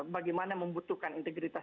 bagaimana membutuhkan integritas